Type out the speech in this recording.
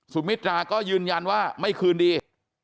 มิตราก็ยืนยันว่าไม่คืนดี